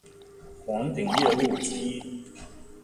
黄顶夜鹭之一。